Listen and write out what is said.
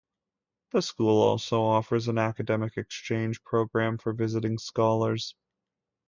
The School also offers an academic exchange program for visiting scholars.